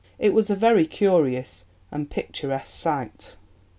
It was a very curious and picturesque sight."